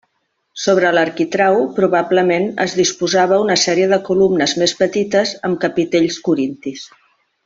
Sobre l'arquitrau probablement es disposava una sèrie de columnes més petites amb capitells corintis.